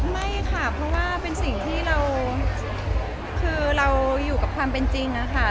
ไม่ค่ะเพราะว่าเป็นสิ่งที่เราคือเราอยู่กับความเป็นจริงนะคะ